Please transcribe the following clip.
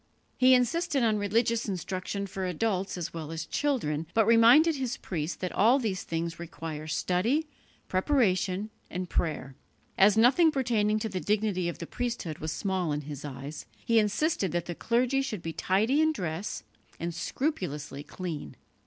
He insisted on religious instruction for adults as well as children, but reminded his priests that all these things require study, preparation and prayer. As nothing pertaining to the dignity of the priesthood was small in his eyes, he insisted that the clergy should be tidy in dress and scrupulously clean.